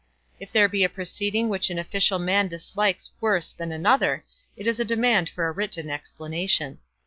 If there be a proceeding which an official man dislikes worse than another, it is a demand for a written explanation.